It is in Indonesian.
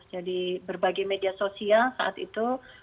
jadi berbagai media sosial saat itu